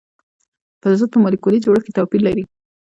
فلزات په مالیکولي جوړښت کې توپیر لري.